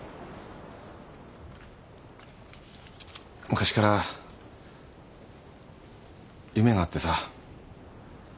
昔から夢があってさ。